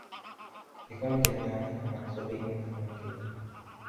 Kikundi kinatawanyika na kusubiri mwaka mwingine